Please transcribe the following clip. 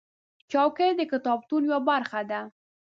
چوکۍ د کتابتون یوه برخه ده.